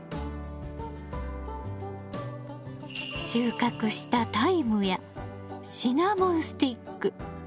収穫したタイムやシナモンスティック